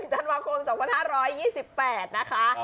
เกิดวันที่๑จันทวาคม๒๕๒๘นะคะ